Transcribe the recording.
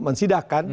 men sidak kan